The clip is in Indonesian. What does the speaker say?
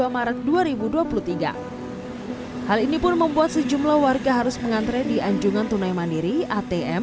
dua maret dua ribu dua puluh tiga hal ini pun membuat sejumlah warga harus mengantre di anjungan tunai mandiri atm